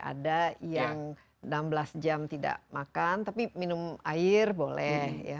ada yang enam belas jam tidak makan tapi minum air boleh